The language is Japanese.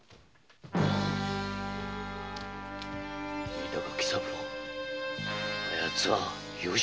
見たか喜三郎あやつは吉宗だ。